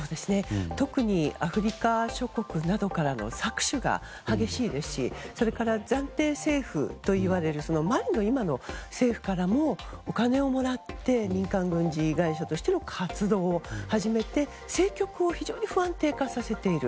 特にアフリカ諸国などからの搾取が激しいですしそれから暫定政府といわれるマリの今の政府からもお金をもらって民間軍事会社として活動を始めて政局を非常に不安定化させている。